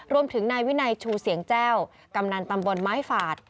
รวมถึงนายวินัยชูเสียงแจ้วกำนันตำบลไม้ฝาด